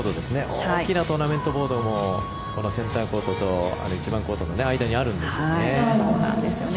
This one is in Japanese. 大きなトーナメントボードもこのセンターコートと１番コートの間にあるんですよね。